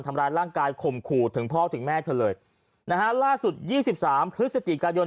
ทำร้านร่างการคมคู่ถึงพ่อถึงแม่เถอะเลยนะฮะล่าสุด๒๓พฤศจิกายน